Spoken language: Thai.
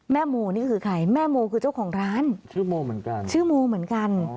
แม่โมนี่คือใครแม่โมคือเจ้าของร้านชื่อโมเหมือนกัน